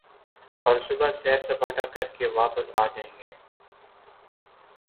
اور صبح سیر سپاٹا کر کے واپس آ جائیں گے ۔